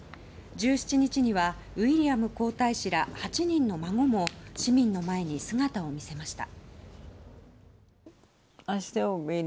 １７日にはウィリアム皇太子ら８人の孫も市民の前に姿を見せました。